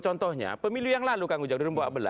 contohnya pemilih yang lalu kang ujang dari umur delapan belas